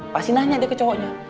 pasti nanya dia ke cowoknya